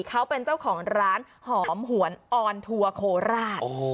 เขาเป็นเจ้าของร้านหอมหวนออนทัวร์โคราช